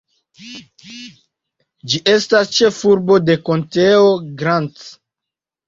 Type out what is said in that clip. Ĝi estas ĉefurbo de konteo Grant.